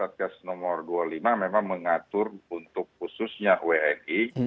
ya jadi bahwa memang surat edaran satgas no dua puluh lima memang mengatur untuk khususnya wni